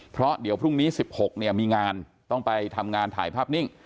เพราะเดี๋ยวพรุ่งนี้๑๖เนี่ยมีงานต้องไปทำงานถ่ายภาพนิ่ง